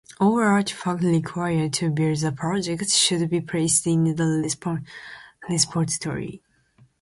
All artifacts required to build the project should be placed in the repository.